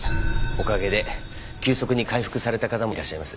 おかげで急速に回復された方もいらっしゃいます。